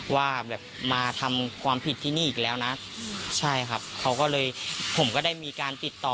ว่าแบบมาทำความผิดที่นี่อีกแล้วนะใช่ครับเขาก็เลยผมก็ได้มีการติดต่อ